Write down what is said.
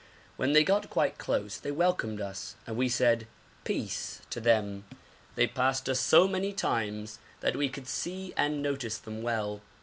When they got quite close they welcomed us, and we said 'Peace' to them. They passed us so many times that we could see and notice them well.